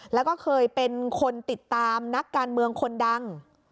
แล้วก็เคยเป็นคนติดตามนักการเมืองคนดัง